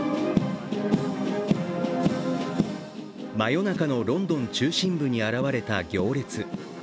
真夜中のロンドン中心部に現れた行列。